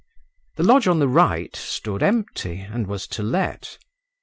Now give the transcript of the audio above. The lodge on the right stood empty, and was to let.